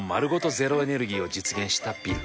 ゼロエネルギーを実現したビル。